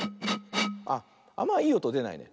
あっあんまいいおとでないね。